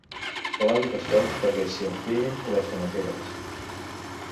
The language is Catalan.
Clavi bastons perquè s'hi enfilin les tomaqueres.